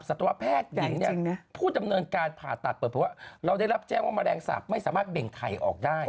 สัตวแพทย์ผู้ดำเนินการผ่าตัดเราได้รับแจ้งว่ามะแรงสาบไม่สามารถเบ่งไข่ออกได้